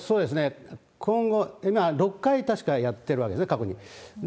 今後、今、６回、確かやってるわけですね、過去に。